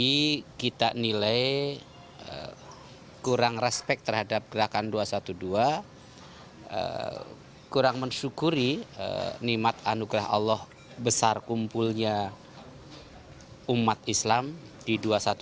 jadi kita nilai kurang respek terhadap gerakan dua ratus dua belas kurang mensyukuri nimat anugerah allah besar kumpulnya umat islam di dua ratus dua belas